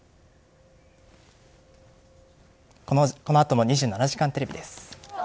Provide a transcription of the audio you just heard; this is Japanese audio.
このあとも「２７時間テレビ」です。